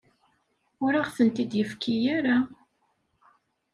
Ur aɣ-tent-id-yefki ara.